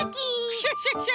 クシャシャシャ！